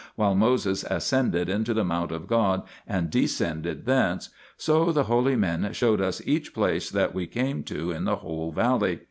iii. 5. THE PILGRIMAGE OF ETHERIA 9 Moses ascended into the mount of God and descended thence so the holy men showed us each place that we came to in the whole valley.